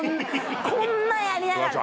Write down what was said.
こんなんやりながらさ。